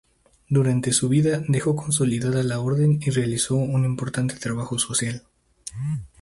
Durante su vida dejó consolidada la orden y realizó un importante trabajo social.